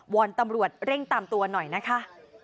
อนตำรวจเร่งตามตัวหน่อยนะคะ